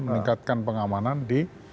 meningkatkan pengamanan di